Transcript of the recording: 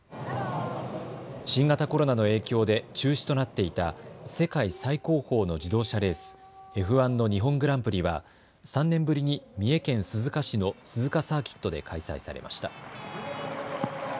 新型コロナの影響で中止となっていた世界最高峰の自動車レース、Ｆ１の日本グランプリは３年ぶりに三重県鈴鹿市の鈴鹿サーキットで開催されました。